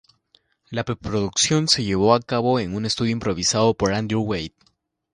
La preproducción se llevó a cabo en un estudio improvisado por Andrew Wade.